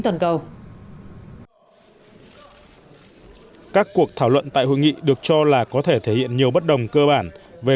tăng cao các cuộc thảo luận tại hội nghị được cho là có thể thể hiện nhiều bất đồng cơ bản về